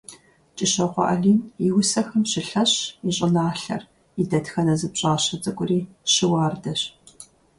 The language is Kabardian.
КӀыщокъуэ Алим и усэхэм щылъэщщ и щӀыналъэр, и дэтхэнэ зы пщӀащэ цӀыкӀури щыуардэщ.